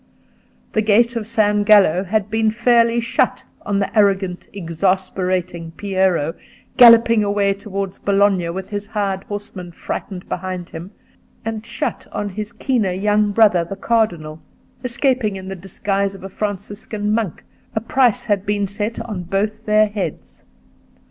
The gate of San Gallo had been fairly shut on the arrogant, exasperating Piero, galloping away towards Bologna with his hired horsemen frightened behind him, and shut on his keener young brother, the cardinal, escaping in the disguise of a Franciscan monk: a price had been set on both their heads.